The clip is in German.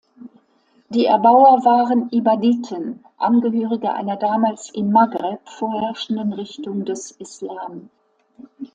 Die Erbauer waren Ibaditen, Angehörige einer damals im Maghreb vorherrschenden Richtung des Islam.